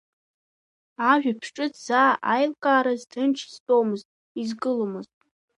Ажәабжь ҿыц заа аилкаараз ҭынч изтәомызт, изгыломызт.